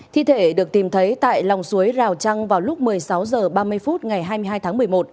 thi thể được tìm thấy tại lòng suối rào trăng vào lúc một mươi sáu h ba mươi phút ngày hai mươi hai tháng một mươi một